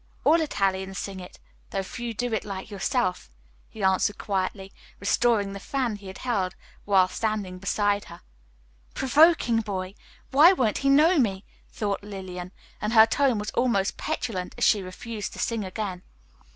"All Italians sing it, though few do it like yourself," he answered quietly, restoring the fan he had held while standing beside her. Provoking boy! why won't he know me? thought Lillian. And her tone was almost petulant as she refused to sing again.